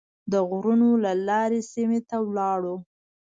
د غرونو له لارې سیمې ته ولاړ.